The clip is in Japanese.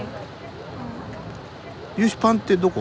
ユシパンってどこ？